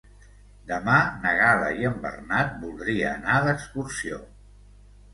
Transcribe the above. Demà na Gal·la i en Bernat voldria anar d'excursió.